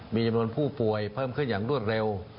มีจำนวนผู้ป่วยเพิ่มขึ้นอย่างรวดเร็ว